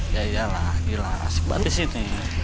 ya iyalah gila asik banget sih itu ya